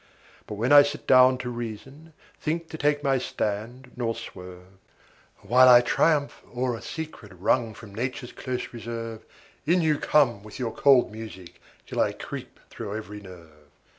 ° °30 But when I sit down to reason, think to take my stand nor swerve, While I triumph o'er a secret wrung from nature's close reserve, In you come with your cold music till I creep thro' every nerve.